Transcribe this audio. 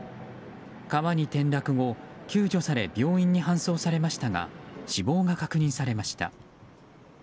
川に転落後、救助され病院に搬送されましたが死亡が確認されました。